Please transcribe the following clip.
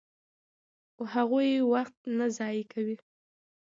هغوی وخت نه ضایع کوي.